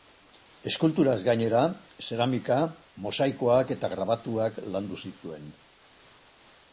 Eskulturaz gainera, zeramika, mosaikoak eta grabatuak landu zituen.